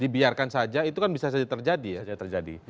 dibiarkan saja itu kan bisa saja terjadi ya terjadi